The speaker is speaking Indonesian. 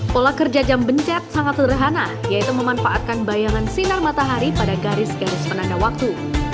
pola kerja jam bencet sangat sederhana yaitu memanfaatkan bayangan sinar matahari pada garis garis penanda waktu